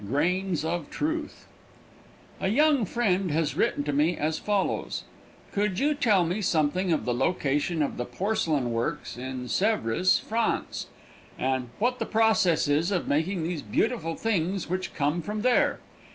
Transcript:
GRAINS OF TRUTH XVIII A young friend has written to me as follows: "Could you tell me something of the location of the porcelain works in Sèvres, France, and what the process is of making those beautiful things which come from there?